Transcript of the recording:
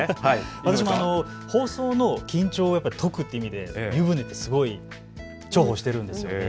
私も放送の緊張を解くという意味で湯船、すごい重宝しているんです。